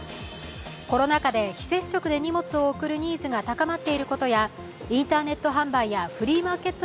コロナ禍で非接触で荷物を送るニーズが高まっていることや、インターネット販売やフリーマーケット